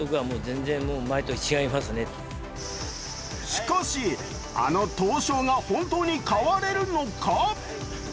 しかし、あの闘将が本当に変われるのか？